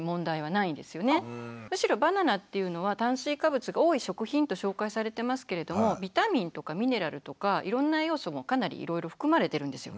むしろバナナっていうのは炭水化物が多い食品と紹介されてますけれどもビタミンとかミネラルとかいろんな栄養素もかなりいろいろ含まれてるんですよ。